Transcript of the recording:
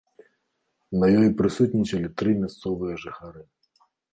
На ёй прысутнічалі тры мясцовыя жыхары.